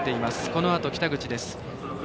このあと北口です。